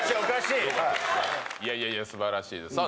いやいやいやすばらしいですさあ